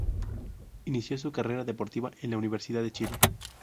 Inicio su carrera deportiva en la Universidad de Chile.